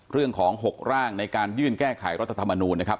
เรื่องของ๖ร่างในการยื่นแก้ไขรัฐธรรมนูลนะครับ